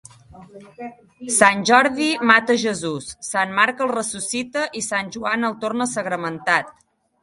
Sant Jordi mata Jesús, sant Marc el ressuscita i sant Joan el torna sagramentat.